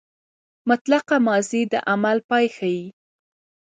مطلقه ماضي د عمل پای ښيي.